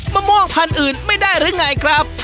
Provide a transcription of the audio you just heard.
มะม่วงพันธุ์อื่นไม่ได้หรือไงครับ